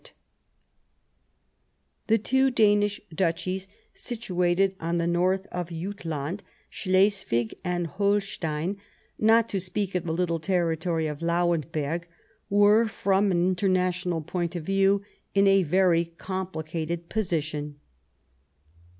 66 The First Passage of Arms The two Danish Duchies, situated on the south of Jutland, Slesvig and Holstein, not to speak of the little territory of Lauenberg, were, from an international point of view, in a very complicated position.